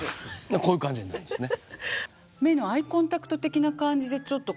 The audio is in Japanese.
こういう感じになるんですね。